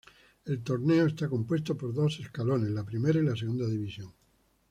El torneo está compuesto por dos escalones, la primera y la segunda división.